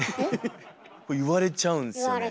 言われちゃうんですよね。